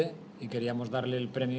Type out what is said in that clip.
dan kami ingin memberikan premie